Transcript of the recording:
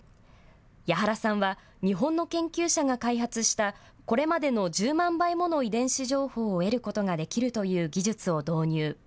矢原さんは、日本の研究者が開発した、これまでの１０万倍もの遺伝子情報を得ることができるという技術を導入。